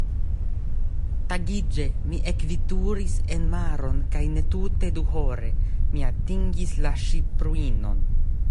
Tagiĝe, mi ekveturis enmaron kaj netute duhore, mi atingis la ŝipruinon.